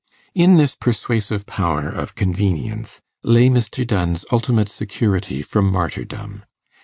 In this persuasive power of convenience lay Mr. Dunn's ultimate security from martyrdom.